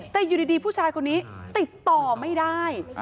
แต่อยู่ดีผู้ชายคนนี้ติดต่อไม่ได้